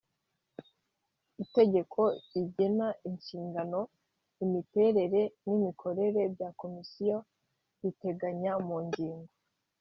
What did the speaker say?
itegeko rigena inshingano imiterere n imikorere bya komisiyo riteganya mu ngingo